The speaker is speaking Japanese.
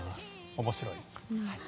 面白い。